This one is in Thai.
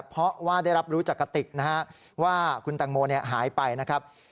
เพราะว่าได้รับรู้จากกะติกนะฮะว่าคุณแตงโมหายไปนะครับ